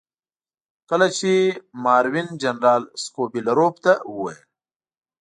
کله چې ماروین جنرال سکوبیلروف ته وویل.